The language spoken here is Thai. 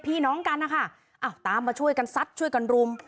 พี่น้องกันนะคะอ้าวตามมาช่วยกันซัดช่วยกันรุม